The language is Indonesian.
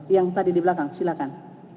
yang tadi di belakang silakan